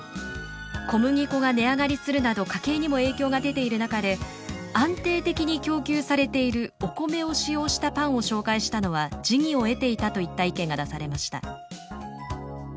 「小麦粉が値上がりするなど家計にも影響が出ている中で安定的に供給されているお米を使用したパンを紹介したのは時宜を得ていた」といった意見が出されました。